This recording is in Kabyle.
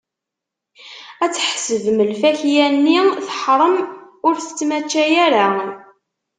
Ad tḥesbem lfakya-nni teḥṛem, ur tettmačča ara.